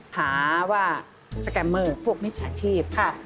หาว่าสแกมเมอร์พวกมิจฉาชีพ